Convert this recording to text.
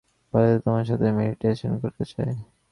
বালিতে তোমার সাথে মেডিটেশন করতে চাই।